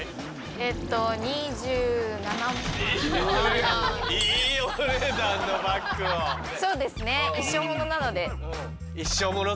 えっとそうですね。